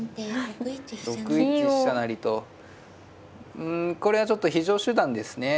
うんこれはちょっと非常手段ですね。